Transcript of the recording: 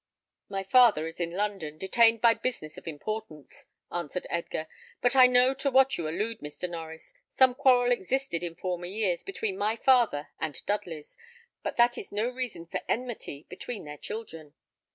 "My father is in London, detained by business of importance," answered Edgar; "but I know to what you allude, Mr. Norries. Some quarrel existed in former years between my father and Dudley's, but that is no reason for enmity between their children."